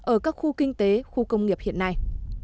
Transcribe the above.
ở các khu kinh tế khu công nghiệp hiện nay